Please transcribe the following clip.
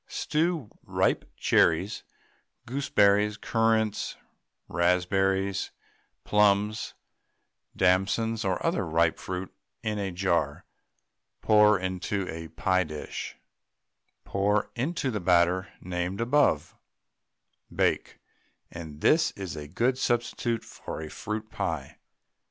Stew ripe cherries, gooseberries, currants, raspberries, plums, damsons, or other ripe fruit in a jar, pour into a pie dish; pour into the batter named above, bake, and this is a good substitute for a fruit pie.